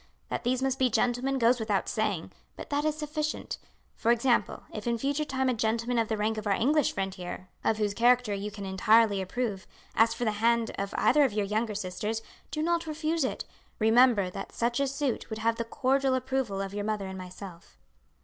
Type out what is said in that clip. That these must be gentlemen goes without saying; but that is sufficient. For example, if in future time a gentleman of the rank of our English friend here, of whose character you can entirely approve, asks for the hand of either of your younger sisters, do not refuse it. Remember that such a suit would have the cordial approval of your mother and myself."